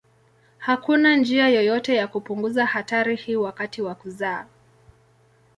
Hakuna njia yoyote ya kupunguza hatari hii wakati wa kuzaa.